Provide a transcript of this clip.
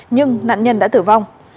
nhưng nạn nhân đã tử vong